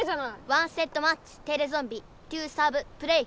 １セットマッチテレゾンビトゥーサーブプレイ！